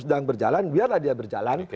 sedang berjalan biarlah dia berjalan